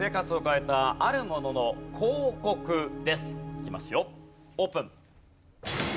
いきますよオープン。